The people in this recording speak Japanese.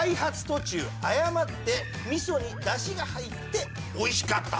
途中誤ってみそにだしが入って美味しかった」